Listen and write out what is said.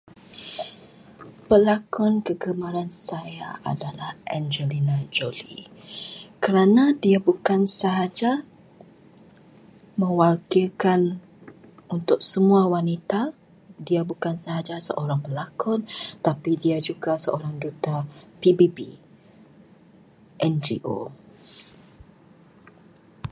Pelakon kegemaran saya adalah Angelina Jolie, kerana dia bukan sahaja mewakilkan untuk semua wanita, dia bukan sahaja seorang pelakon, tetapi dia juga seorang duta PBB, NGO.